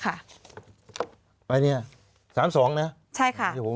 ใช่ค่ะไอ้เนี้ยสามสองนะใช่ค่ะ